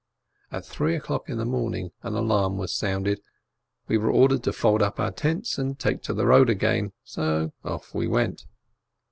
At three o'clock in the morning an alarm was sounded, we were ordered to fold up our tents and take to the road again. So off we went.